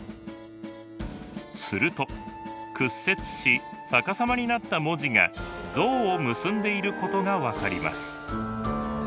すると屈折し逆さまになった文字が像を結んでいることが分かります。